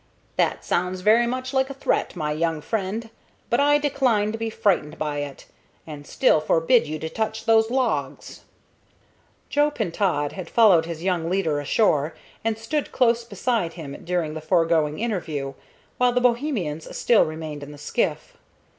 "That sounds very much like a threat, my young friend; but I decline to be frightened by it, and still forbid you to touch those logs." Joe Pintaud had followed his young leader ashore, and stood close beside him during the foregoing interview, while the Bohemians still remained in the skiff.